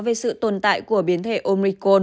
về sự tồn tại của biến thể omicron